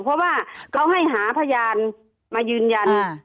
เพราะว่าเขาให้หาพยานมายืนยัน